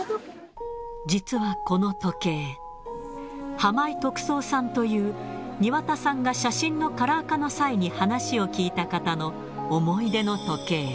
実はこの時計、浜井徳三さんという、庭田さんが写真のカラー化の際に話を聞いた方の思い出の時計。